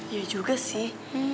yuh juga sih